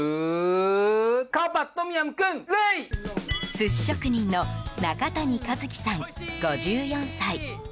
寿司職人の中谷一喜さん５４歳。